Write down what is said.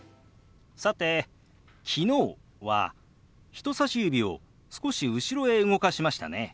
さて「昨日」は人さし指を少し後ろへ動かしましたね。